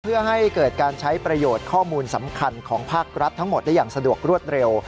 เพื่อให้เกิดการใช้ประโยชน์ข้อมูลสำคัญของภาครัฐทั้งหมดได้อย่างสะดวกรวดเร็ว